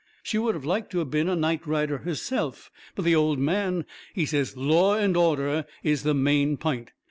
She would of like to been a night rider herself. But the old man, he says law and order is the main pint.